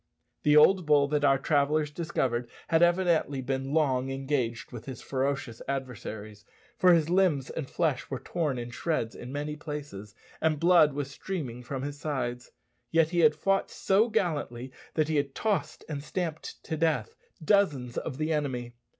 The old bull that our travellers discovered had evidently been long engaged with his ferocious adversaries, for his limbs and flesh were torn in shreds in many places, and blood was streaming from his sides. Yet he had fought so gallantly that he had tossed and stamped to death dozens of the enemy.